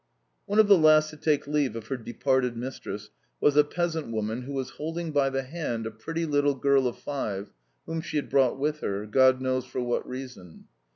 One of the last to take leave of her departed mistress was a peasant woman who was holding by the hand a pretty little girl of five whom she had brought with her, God knows for what reason.